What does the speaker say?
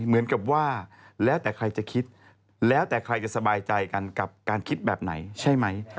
เหมือนกับว่าแล้วแต่ใครจะคิดแล้วแต่ใครจะสบายใจกันกับการคิดแบบไหนใช่ไหม